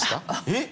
えっ？